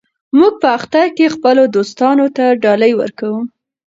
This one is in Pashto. موږ په اختر کې خپلو دوستانو ته ډالۍ ورکوو.